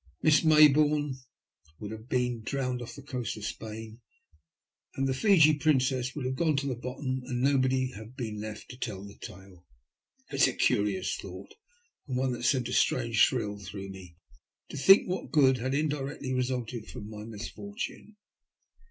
Miss Mayboume would have been drowned off the coast of Spain, and the Fiji Princeu would have gone to the bottom and nobody have been left to tell the tale. It was a curious thought, and one that sent a strange thrill through me to think what good had indirectly resulted from my misfortune.